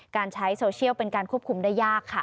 การใช้โซเชียลเป็นการควบคุมได้ยากค่ะ